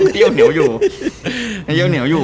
ก็เยี่ยวเหนียวอยู่